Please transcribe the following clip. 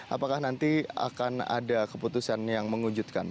apakah nanti akan ada keputusan yang mengujudkan